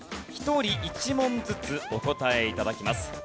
１人１問ずつお答え頂きます。